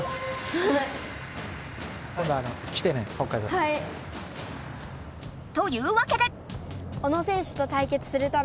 こんどはい！というわけで！